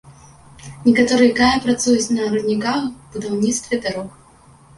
Некаторыя кая працуюць на рудніках, будаўніцтве дарог.